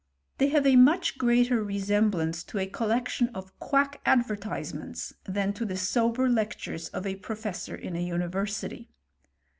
They have a much greater resemblance to a collection of quack advertisements than to the sober lectures of a pro t. fessor in a university.